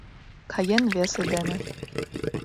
Каен весе дене